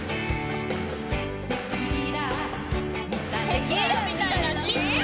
テキーラみたいなキス！？